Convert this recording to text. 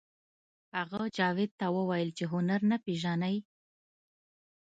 هغه جاوید ته وویل چې هنر نه پېژنئ